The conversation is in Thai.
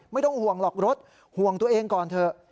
ไม่ต้องห่วงหรอกรถห่วงตัวเองก่อนเถอะ